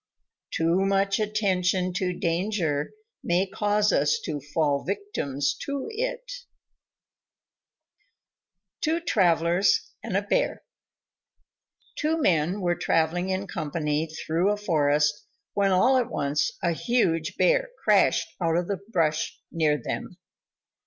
Too much attention to danger may cause us to fall victims to it. TWO TRAVELERS AND A BEAR Two Men were traveling in company through a forest, when, all at once, a huge Bear crashed out of the brush near them.